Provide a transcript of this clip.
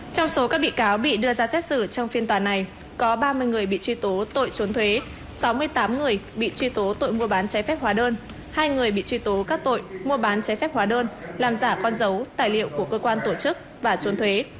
trong số các bị cáo bị đưa ra xét xử trong phiên tòa này có ba mươi người bị truy tố tội trốn thuế sáu mươi tám người bị truy tố tội mua bán trái phép hóa đơn hai người bị truy tố các tội mua bán trái phép hóa đơn làm giả con dấu tài liệu của cơ quan tổ chức và trốn thuế